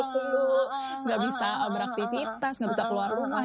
tidak bisa beraktivitas nggak bisa keluar rumah